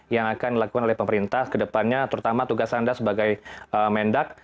yang akan dilakukan oleh pemerintah kedepannya terutama tugas anda sebagai mendak